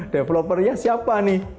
developernya siapa nih